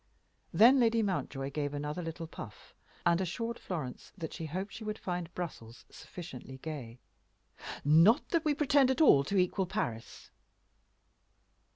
Then Lady Mountjoy gave another little puff, and assured Florence that she hoped she would find Brussels sufficiently gay, "not that we pretend at all to equal Paris."